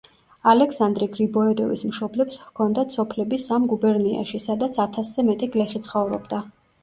ალექსანდრე გრიბოედოვის მშობლებს ჰქონდათ სოფლები სამ გუბერნიაში, სადაც ათასზე მეტი გლეხი ცხოვრობდა.